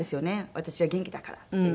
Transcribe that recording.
私は元気だからっていう風に。